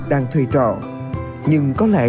đang thuê trọ nhưng có lẽ